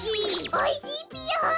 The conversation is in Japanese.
おいしいぴよ。